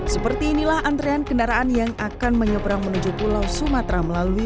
seperti inilah antrean kendaraan yang akan menyeberang menuju pulau sumatera melalui